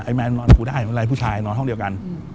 แมนนอนกูได้ไม่เป็นไรผู้ชายนอนห้องเดียวกัน